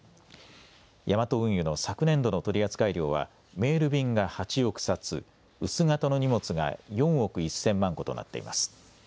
ヤマト運輸の昨年度の取扱量はメール便が８億冊、薄型の荷物が４億１０００万個となっています。